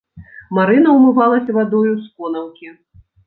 Марына ўмывалася вадою з конаўкі.